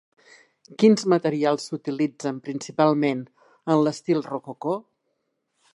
Quins materials s'utilitzen principalment en l'estil rococó?